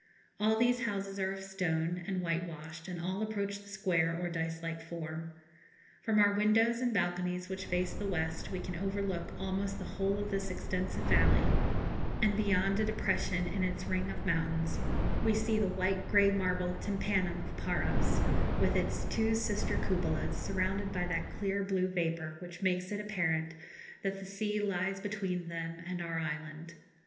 All these houses are of stone, and white washed, and all approach the square or dice like form. From our windows and balconies which face the west, we can overlook almost the whole of this extensive valley, and beyond a depression in its ring of mountains, we see the white grey marble tympanum of Paros, with its two sister cupolas, surrounded by that clear blue vapour which makes it apparent that the sea lies between them and our island.